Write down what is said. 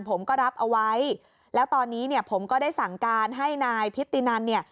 ผมก็รับเอาไว้แล้วตอนนี้เนี่ยผมก็ได้สั่งการให้นายพิธีนันเนี่ย